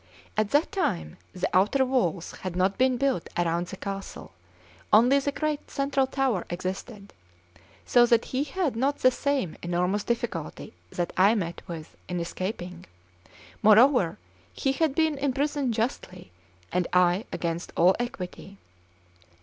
At that time the outer walls had not been built around the castle; only the great central tower existed; so that he had not the same enormous difficulty that I met with in escaping; moreover, he had been imprisoned justly, and I against all equity.